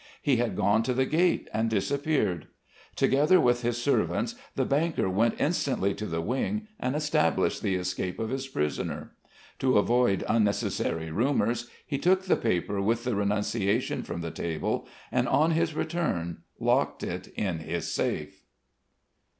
He had gone to the gate and disappeared. Together with his servants the banker went instantly to the wing and established the escape of his prisoner. To avoid unnecessary rumours he took the paper with the renunciation from the table and, on his return, locked it in his safe.